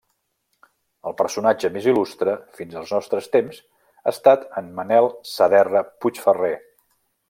El personatge més il·lustre fins als nostres temps ha estat en Manel Saderra Puigferrer.